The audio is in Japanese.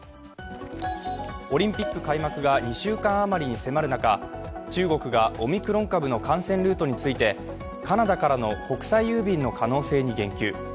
オリンピック開幕が２週間余りに迫る中、中国がオミクロン株の感染ルートについてカナダからの国際郵便の可能性に言及。